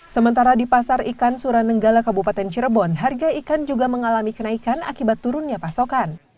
sementara di pasar ikan suranenggala kabupaten cirebon harga ikan juga mengalami kenaikan akibat turunnya pasokan